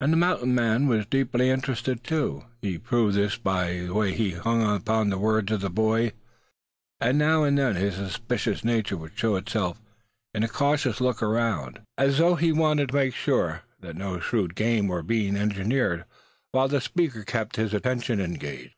And the mountain man was deeply interested too. He proved this by the way he hung upon the words of the boy. Now and then his suspicious nature would show itself in a cautious look around, as though he wanted to make sure that no shrewd game were being engineered, while the speaker kept his attention engaged.